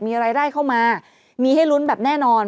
มีรายได้เข้ามามีให้ลุ้นแบบแน่นอน